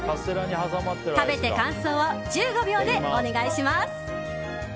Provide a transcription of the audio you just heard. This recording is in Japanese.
食べて感想を１５秒でお願いします。